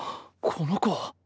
この子は。